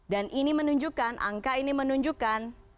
dan ini menunjukkan angka ini menunjukkan